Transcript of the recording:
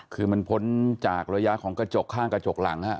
คือมันพ้นจากระยะของกระจกข้างกระจกหลัง